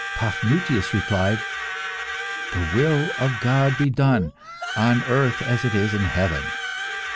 Paphnutius replied "The will of God be done, on earth as it is in heaven."